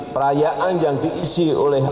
perayaan yang diisi oleh